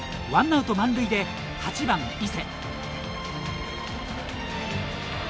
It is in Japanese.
ワンアウト満塁で８番・伊勢。